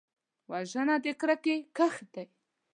وژنه د کرکې کښت دی